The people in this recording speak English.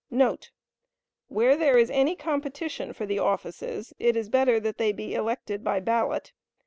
* [Where there is any competition for the offices, it is better that they be elected by ballot.